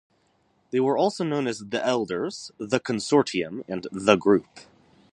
They were also known as The Elders, The Consortium, and The Group.